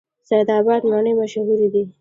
سید اباد مڼې مشهورې دي؟